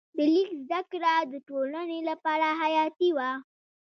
د لیک زده کړه د ټولنې لپاره حیاتي وه.